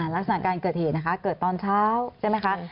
รักษณะการเกิดเหตุเกิดตอนเช้าใช่มั้ยคะ